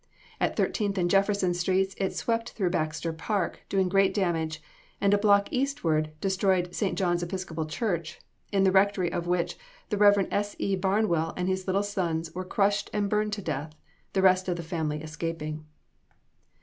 At Thirteenth and Jefferson streets it swept through Baxter Park, doing great damage, and a block eastward destroyed St. John's Episcopal Church, in the rectory of which the Rev. S. E. Barnwell and his little son were crushed and burned to death, the rest of the family escaping.